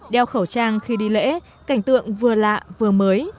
đeo khẩu trang khi đi lễ cảnh tượng vừa lạ vừa mới